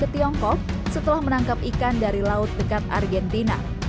tiongkok menangkap ikan dari laut dekat argentina